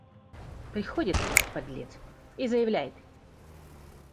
Приходит, подлец, и заявляет